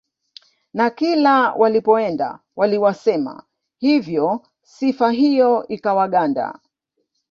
Na kila walipoenda waliwasema hivyo sifa hiyo ikawaganda